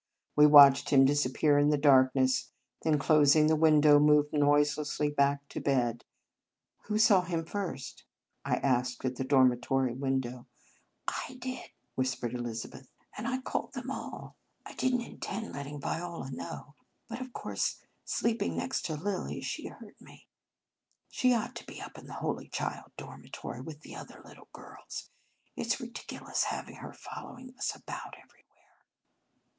We watched him disap pear in the darkness; then, closing the window, moved noiselessly back to bed. "Who saw him first?" I asked at the dormitory door. "I did," whispered Elizabeth; "and I called them all. I did n t intend let 22 Marianus ting Viola know ; but, of course, sleep ing next to Lilly, she heard me. She ought to be up in the Holy Child dormitory with the other little girls. It s ridiculous having her following us about everywhere."